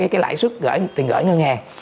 cái lãi xuất tiền gửi ngân hàng